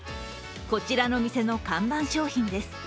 こちらの店の看板商品です。